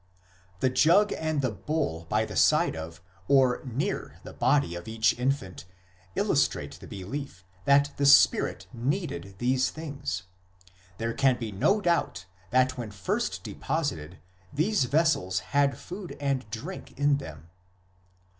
The jug and the bowl by the side of, or near, the body of each infant illustrate the belief that the spirit needed these things ; there can be no doubt that when first deposited these vessels had food and drink in them.